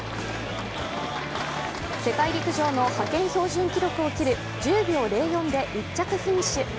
世界陸上の派遣標準記録を切る１０秒０４で１着フィニッシュ。